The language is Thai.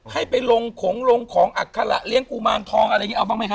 ให้ไปลงของลงของอัคระเลี้ยงกุมารทองอะไรอย่างนี้เอาบ้างไหมฮ